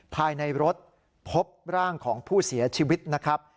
ภายในรถพบร่างของผู้เสียชีวิตนะครับ